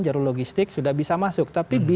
jarum logistik sudah bisa masuk